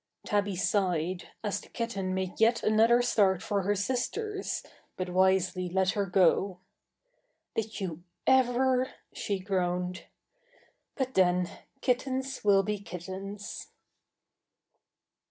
Tabby sighed, as the kitten made yet another start for her sisters, but wisely let her go. "Did you ever?" she groaned; "but then, kittens will be kittens!"